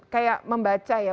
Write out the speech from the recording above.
kayak membaca ya